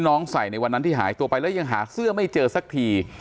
ใส่ในวันนั้นที่หายตัวไปแล้วยังหาเสื้อไม่เจอสักที